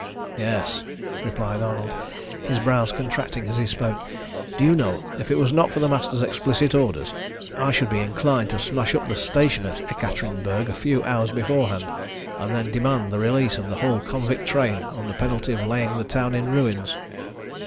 "Yes," replied Arnold, his brows contracting as he spoke. "Do you know, if it were not for the Master's explicit orders, I should be inclined to smash up the station at Ekaterinburg a few hours beforehand, and then demand the release of the whole convict train, under penalty of laying the town in ruins."